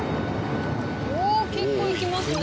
お結構行きますね。